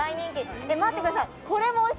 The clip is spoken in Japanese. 待ってください。